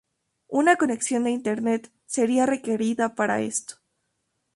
Una conexión de internet sería requerida para esto.